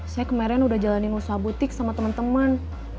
saya kemarin udah jalanin usaha butik sama temen temen